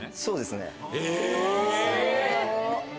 そうですね。え！